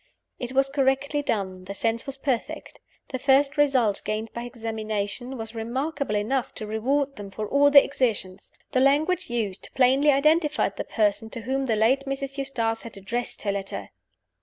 It was correctly done: the sense was perfect. The first result gained by examination was remarkable enough to reward them for all their exertions. The language used plainly identified the person to whom the late Mrs. Eustace had addressed her letter.